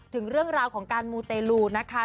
ถึงเรื่องราวของการมูเตลูนะคะ